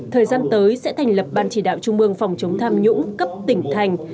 thời gian tới sẽ thành lập ban chỉ đạo trung mương phòng chống tham nhũng cấp tỉnh thành